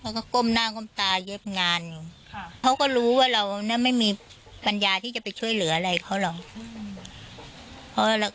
ก้มหน้าก้มตายเย็บงานอยู่เขาก็รู้ว่าเราไม่มีปัญญาที่จะไปช่วยเหลืออะไรเขาหรอก